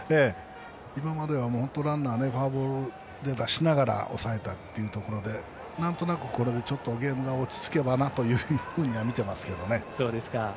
今までランナーはフォアボールで出しながら抑えたっていうところでなんとなく、これでゲームが落ち着けばなと見ていますけどね。